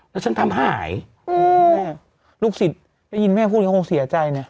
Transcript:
แล้วฉันทำหายอืมลูกศิษย์พี่ยินแม่พวกนี้คงเสียใจเนี้ย